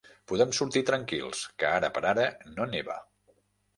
Podem sortir tranquils, que ara per ara no neva.